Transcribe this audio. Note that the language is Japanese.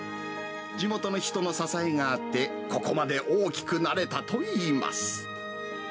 地元の人の支えがあって、ここまで大きくなれたといいます。